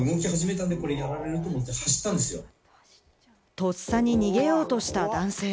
とっさに逃げようとした男性。